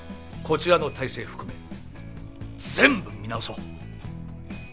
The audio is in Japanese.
こちらの体制含め全部見直そう。